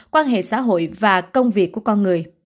quan hệ xã hội và công việc của con người